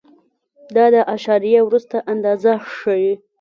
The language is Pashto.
دا د اعشاریې وروسته اندازه ښیي.